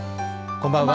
こんばんは。